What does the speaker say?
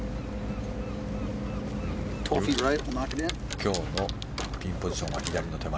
今日のピンポジションは左の手前。